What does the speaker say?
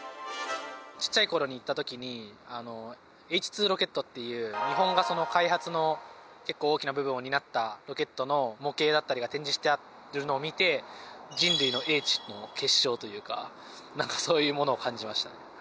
ちっちゃい頃に行った時にＨ−Ⅱロケットっていう日本が開発の結構大きな部分を担ったロケットの模型だったりが展示してあるのを見て人類の英知の結晶というかなんかそういうものを感じましたね。